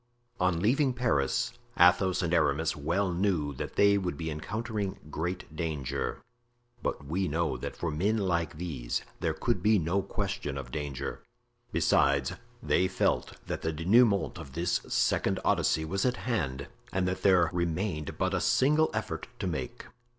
On leaving Paris, Athos and Aramis well knew that they would be encountering great danger; but we know that for men like these there could be no question of danger. Besides, they felt that the dénouement of this second Odyssey was at hand and that there remained but a single effort to make.